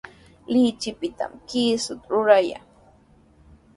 Lichipitami kiisuta rurayan.